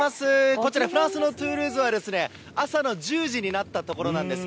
こちら、フランスのトゥールーズは朝の１０時になったところなんです。